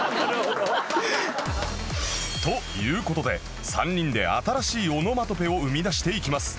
という事で３人で新しいオノマトペを生み出していきます